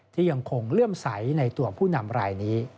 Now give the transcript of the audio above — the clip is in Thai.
ที่ยังคงเลื่อมใสในตัวผู้นำรายนี้